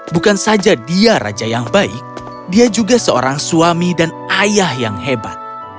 bukan saja dia raja yang baik dia juga seorang suami dan ayah yang hebat